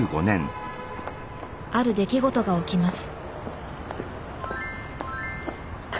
ある出来事が起きます。